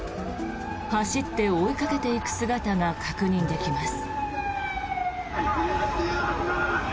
走って追いかけていく姿が確認できます。